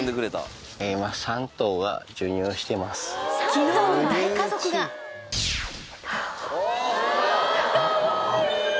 昨日の大家族がかわいい！